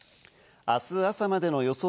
明日朝までの予想